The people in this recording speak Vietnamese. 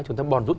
chúng ta bòn rút